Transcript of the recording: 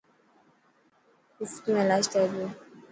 مفت ۾ الاج ٿي پيو.